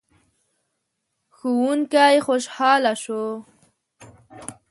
ښوونکی خوشحال شو.